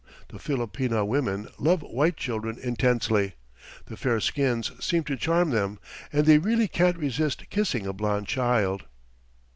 The Filipina women love white children intensely; the fair skins seem to charm them, and they really can't resist kissing a blond child."